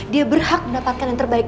dia berhak mendapatkan yang terbaik